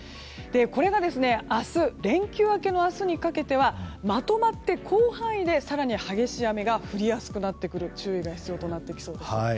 これが明日連休明けの明日にかけてはまとまって広範囲で更に激しい雨が降りやすくなってきて注意が必要となってきそうです。